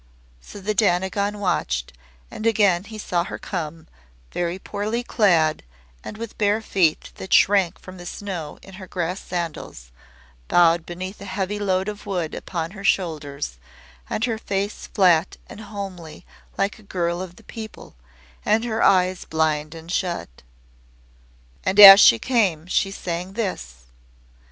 So the Dainagon watched, and again he saw her come, very poorly clad, and with bare feet that shrank from the snow in her grass sandals, bowed beneath a heavy load of wood upon her shoulders, and her face flat and homely like a girl of the people, and her eyes blind and shut. And as she came she sang this.